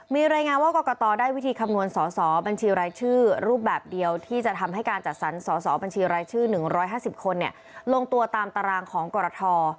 มีรายงานว่ากรกตได้วิธีคำนวณสอสอบัญชีรายชื่อรูปแบบเดียวที่จะทำให้การจัดสรรสอสอบัญชีรายชื่อ๑๕๐คนลงตัวตามตารางของกรท